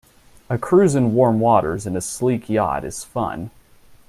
A cruise in warm waters in a sleek yacht is fun.